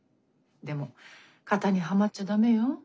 でも型にはまっちゃダメよ。